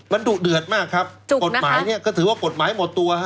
มันดุเดือดมากครับกฎหมายเนี่ยก็ถือว่ากฎหมายหมดตัวฮะ